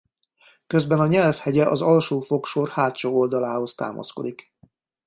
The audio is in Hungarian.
Közben a nyelv hegye az alsó fogsor hátsó oldalához támaszkodik.